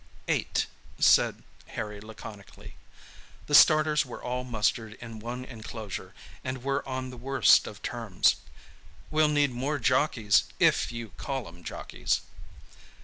"Eight," said Harry laconically. The starters were all mustered in one enclosure, and were on the worst of terms. "We'll need more jockeys—if you call 'em jockeys."